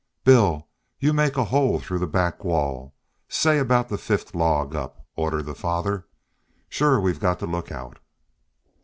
"Bill, you make a hole through the back wall, say aboot the fifth log up," ordered the father. "Shore we've got to look out."